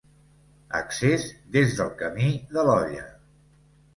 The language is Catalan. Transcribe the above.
Accés des del camí de l'Olla.